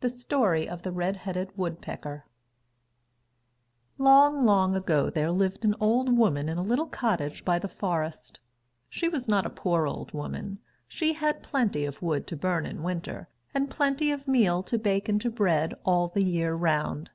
The Story of the Red Headed Woodpecker Long, long ago, there lived an old woman in a little cottage by the forest. She was not a poor old woman. She had plenty of wood to burn in winter, and plenty of meal to bake into bread all the year round.